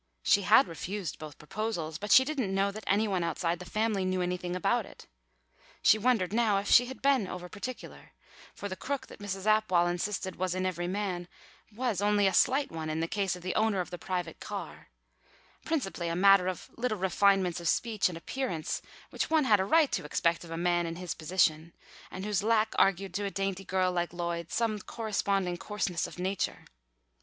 She had refused both proposals, but she didn't know that any one outside the family knew anything about it. She wondered now if she had been over particular, for the crook that Mrs. Apwall insisted was in every man was only a slight one in the case of the owner of the private car, principally a matter of little refinements of speech and appearance which one had a right to expect of a man in his position and whose lack argued to a dainty girl like Lloyd some corresponding coarseness of nature.